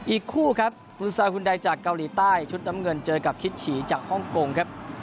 อีกคู่ครับคุณซาคุณใดจากเกาหลีใต้ชุดน้ำเงินเจอกับคิดฉีจากฮ่องกงครับ